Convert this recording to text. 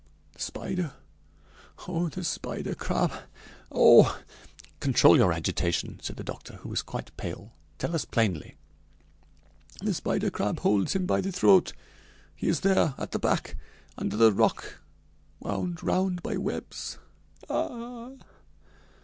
"The spider Oh! the spider crab Oh! " "Control your agitation," said the doctor, who was quite pale, "tell us plainly " "The spider crab holds him by the throat he is there at the back under the rock wound round by webs Ah!"